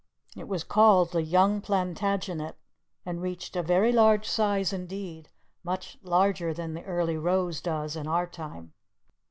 It was called the Young Plantagenet, and reached a very large size indeed, much larger than the Early Rose does in our time.